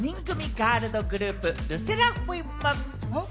ガールズグループ・ＬＥＳＳＥＲＡＦＩＭ。